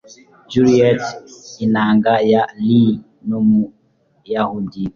Juliet inanga ya lyre n Umuyahudi